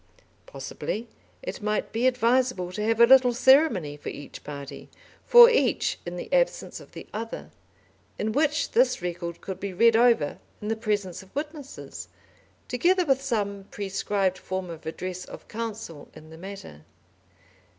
Possibly it might be advisable to have a little ceremony for each party, for each in the absence of the other, in which this record could be read over in the presence of witnesses, together with some prescribed form of address of counsel in the matter.